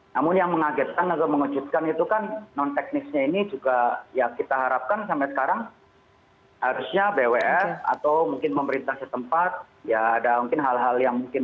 namun yang mengagetkan atau mengejutkan itu kan non teknisnya ini juga ya kita harapkan sampai sekarang harusnya bws atau mungkin pemerintah setempat ya ada mungkin hal hal yang mungkin